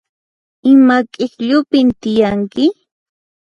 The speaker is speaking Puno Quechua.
Ima k'ikllupin tiyanki?